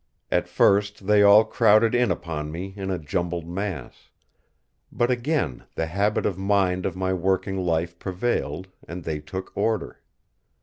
At first they all crowded in upon me in a jumbled mass; but again the habit of mind of my working life prevailed, and they took order.